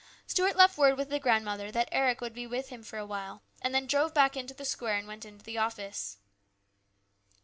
Stuart left word with the grandmother that Eric would be with him for a while, and then drove back into the square and went into the office.